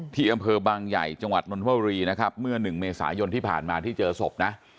ที่อำเภอบางใหญ่จังหวัดนวรีเมื่อ๑เมษายนที่ผ่านมาที่เจอศพ